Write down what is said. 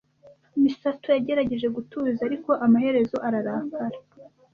Misato yagerageje gutuza, ariko amaherezo ararakara.